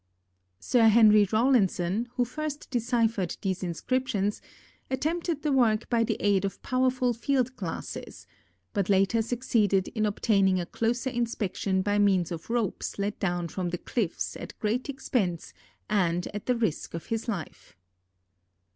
Sir Henry Rawlinson, who first deciphered these inscriptions, attempted the work by the aid of powerful field glasses, but later succeeded in obtaining a closer inspection by means of ropes let down from the cliffs at great expense and at the risk of his life.